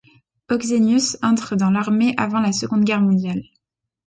Oxenius entre dans l'armée avant la Seconde Guerre mondiale.